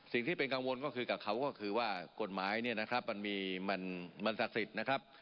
สิ่งที่เป็นกังวลกับเขาก็คือว่ากฎหมายมันศักดิ์สิทธิ์นะครับ